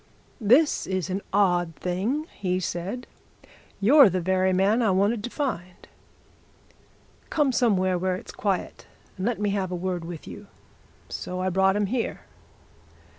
'This is an odd thing!' he said. 'You're the very man I wanted to find! Come somewhere, where it's quiet, and let me have a word with you.' So I brought him here."